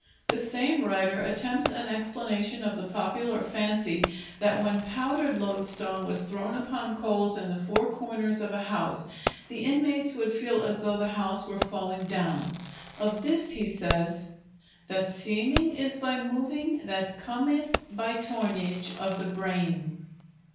The same writer attempts an explanation of the popular fancy that when powdered loadstone was thrown upon coals in the four corners of a house, the inmates would feel as though the house were falling down; of this he says: "That seemynge is by mevynge [moving] that comyth by tornynge of the brayn."